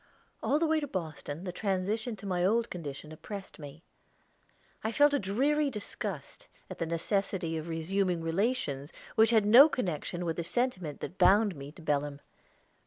All the way to Boston the transition to my old condition oppressed me. I felt a dreary disgust at the necessity of resuming relations which had no connection with the sentiment that bound me to Belem.